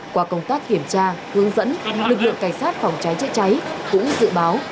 qua công tác kiểm tra hướng dẫn lực lượng cảnh sát phòng cháy chữa cháy cũng dự báo